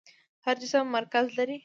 هر جسم مرکز لري.